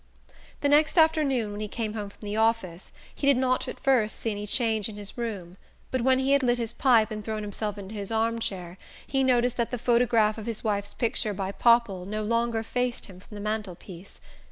The next afternoon, when he came home from the office, he did not at first see any change in his room; but when he had lit his pipe and thrown himself into his arm chair he noticed that the photograph of his wife's picture by Popple no longer faced him from the mantel piece.